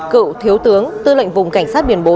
cựu thiếu tướng tư lệnh vùng cảnh sát biển bốn